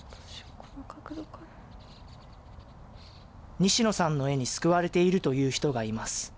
西野さんの絵に救われているという人がいます。